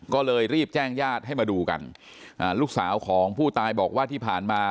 ก็เลยรีบแจ้งญาติให้มาดูกันอ่าลูกสาวของผู้ตายบอกว่าที่ผ่านมา